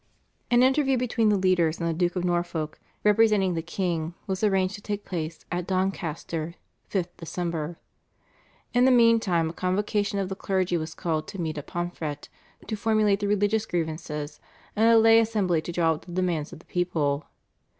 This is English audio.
An interview between the leaders and the Duke of Norfolk, representing the king, was arranged to take place at Doncaster (5th Dec.). In the meantime a convocation of the clergy was called to meet at Pomfret to formulate the religious grievances, and a lay assembly to draw up the demands of the people.